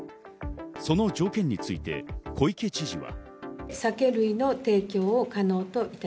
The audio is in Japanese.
その条件について小池知事は。